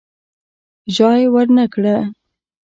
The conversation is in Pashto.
ژای ورنه کړي.